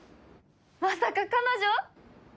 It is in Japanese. まさか彼女！？